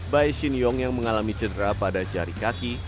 bayi shin yong yang mengalami cedera pada jari kaki